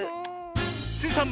スイさん